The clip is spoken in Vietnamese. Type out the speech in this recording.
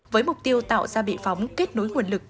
với mục tiêu tạo ra bị phóng kết nối nguồn lực